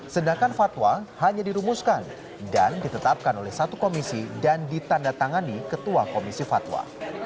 sedangkan fatwa hanya dirumuskan dan ditetapkan oleh satu komisi dan ditanda tangani ketua komisi fatwa